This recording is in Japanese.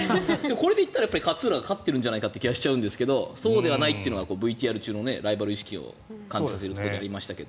これでいったら勝浦が勝ってるんじゃないかという気がしちゃうんですがそうではないというのはＶＴＲ中のライバル意識を感じさせるところにありましたが。